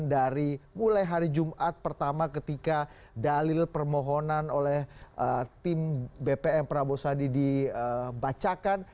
dari mulai hari jumat pertama ketika dalil permohonan oleh tim bpm prabowo sadi dibacakan